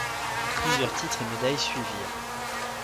Plusieurs titres et médailles suivirent.